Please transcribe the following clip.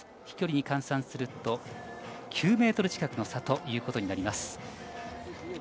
飛距離に換算すると９ｍ近くの差ということになります。